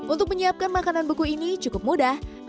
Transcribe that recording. untuk menyiapkan makanan buku ini cukup mudah